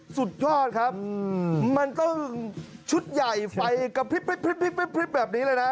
สุดยอดครับมันต้องชุดใหญ่ไฟกระพริบแบบนี้เลยนะ